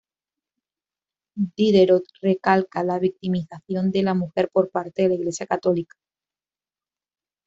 Diderot recalca la victimización de la mujer por parte de la Iglesia católica.